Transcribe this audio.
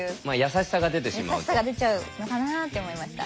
優しさが出ちゃうのかなって思いました。